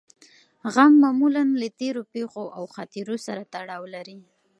غم معمولاً له تېرو پېښو او خاطرو سره تړاو لري.